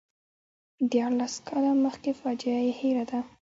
دیارلس کاله مخکې فاجعه یې هېره ده.